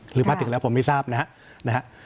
หรือถ้าถึงแล้วผมไม่ทราบนะครับ